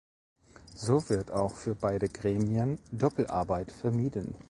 So wird auch für beide Gremien Doppelarbeit vermieden.